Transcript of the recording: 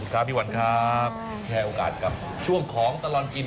ครับพี่วันครับแชร์โอกาสกับช่วงของตลอดกิน